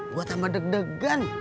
gua tambah deg degan